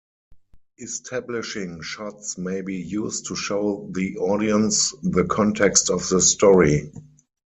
Establishing shots may be used to show the audience the context of the story.